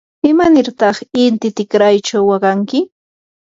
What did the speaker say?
¿imanirtaq inti tikraychaw waqanki?